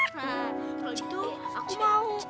kalo gitu aku mau